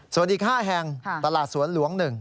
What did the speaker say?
ส่วนอีก๕แห่งตลาดสวนหลวง๑